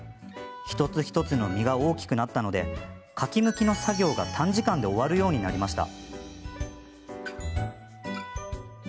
一つ一つの身が大きくなったのでかきむきの作業が短時間で終わるようになりました。